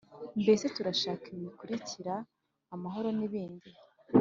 mbese turashaka ibi bikurikira amahoro nibindi